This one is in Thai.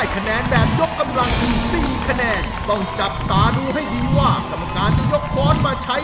อย่าล้อยนะลงไปลงไปหลักสีขออนุญาตครับ